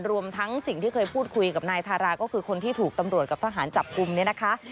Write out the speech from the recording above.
รวมทั้งสิ่งที่เคยพูดคุยกับนายทาราก็คือคนที่ถูกตำรวจกับทหารจับกลุ่มเนี่ยนะคะ